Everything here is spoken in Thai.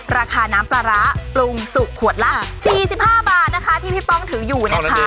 ราคาน้ำปลาร้าปรุงสุกขวดละ๔๕บาทนะคะที่พี่ป้องถืออยู่นะคะ